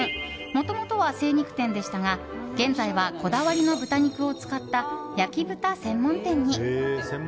もともとは精肉店でしたが現在は、こだわりの豚肉を使った焼豚専門店に。